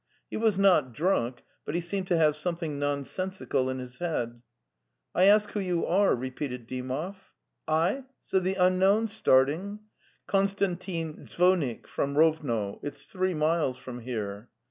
He was not drunk, but he seemed to have something nonsensical in his head. '""T ask you who you are?" repeated Dymov. '"T?" said the unknown, starting. '' Konstantin Zvonik from Rovno. It's three miles from here."